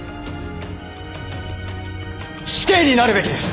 死刑になるべきです！